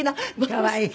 可愛い。